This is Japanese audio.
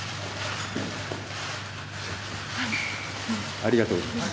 ありがとうございます。